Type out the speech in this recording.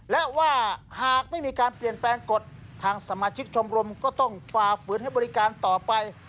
และว่าหากไม่มีการเปลี่ยนแปลงกฎทางสมาชิกชมรมก็ต้องฝ่าฝืนให้บริการต่อไป